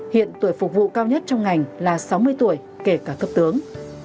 hiện tuổi phục vụ cao nhất trong ngành là sáu mươi tuổi kể cả cấp tướng